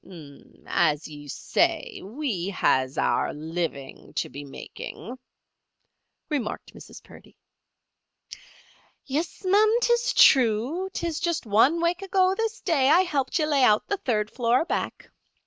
"As you say, we has our living to be making," remarked Mrs. Purdy. "Yis, ma'am; 'tis true. 'Tis just one wake ago this day I helped ye lay out the third floor, back.